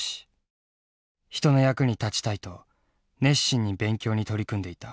人の役に立ちたいと熱心に勉強に取り組んでいた。